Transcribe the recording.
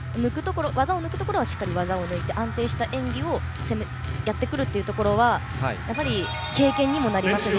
技を抜くところは抜いて安定した演技をやってくるところはやっぱり、経験にもなりますし